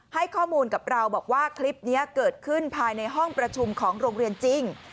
ให้ข้อมูลกับเราบอกว่าคลิปนี้เกิดขึ้นภายในห้องประชุมของโรงเรียนจริง